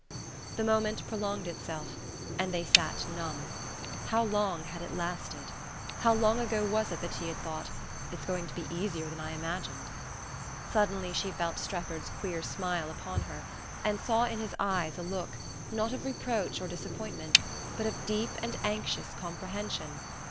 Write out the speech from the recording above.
The moment prolonged itself, and they sat numb. How long had it lasted? How long ago was it that she had thought: "It's going to be easier than I imagined"? Suddenly she felt Strefford's queer smile upon her, and saw in his eyes a look, not of reproach or disappointment, but of deep and anxious comprehension.